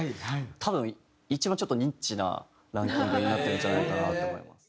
多分一番ちょっとニッチなランキングになってるんじゃないかなって思います。